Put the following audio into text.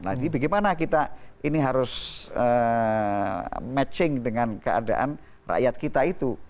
nah jadi bagaimana kita ini harus matching dengan keadaan rakyat kita itu